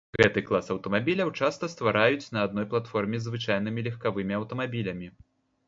Гэты клас аўтамабіляў часта ствараюць на адной платформе з звычайнымі легкавымі аўтамабілямі.